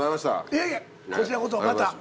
いえいえこちらこそまた。